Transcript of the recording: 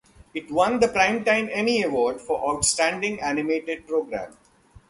It won the Primetime Emmy Award for Outstanding Animated Program.